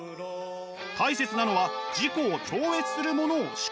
大切なのは「自己を超越するものを思考する」こと。